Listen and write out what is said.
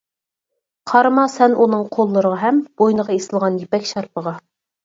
قارىما سەن ئۇنىڭ قوللىرىغا ھەم، بوينىغا ئېسىلغان يىپەك شارپىغا.